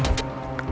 terus terus terus